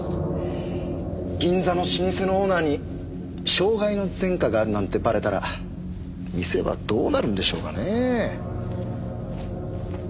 銀座の老舗のオーナーに傷害の前科があるなんてバレたら店はどうなるんでしょうかねえ。